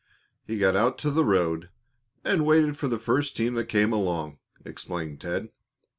"He got out to the road and waited for the first team that came along," explained Ted.